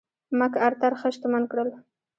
مک ارتر ښه شتمن کړل.